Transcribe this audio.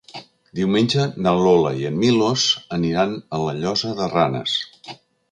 Diumenge na Lola i en Milos aniran a la Llosa de Ranes.